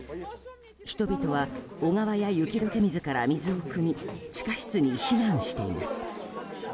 人々は小川や雪解け水から水をくみ地下室に避難しています。